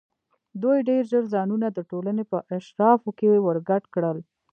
دوی ډېر ژر ځانونه د ټولنې په اشرافو کې ورګډ کړل.